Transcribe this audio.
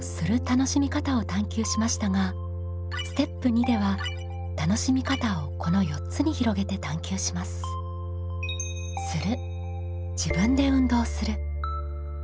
楽しみ方を探究しましたがステップ２では楽しみ方をこの４つに広げて探究します。